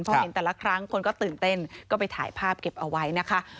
พอเห็นแต่ละครั้งคนก็ตื่นเต้นก็ไปถ่ายภาพเก็บเอาไว้นะคะ